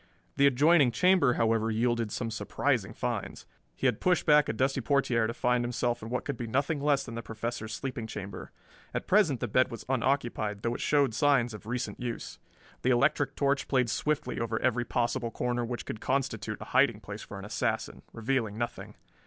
The adjoining chamber, however, yielded some surprising finds. He had pushed back a dusty portiere to find himself in what could be nothing less than the Professor's sleeping chamber. At present the bed was unoccupied, though it showed signs of recent use. The electric torch played swiftly over every possible corner which could constitute a hiding place for an assassin, revealing nothing.